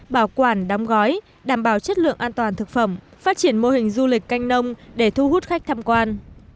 bảo quản đóng gói đảm bảo chất lượng an toàn thực phẩm phát triển mô hình du lịch canh nông để thu hút khách tham quan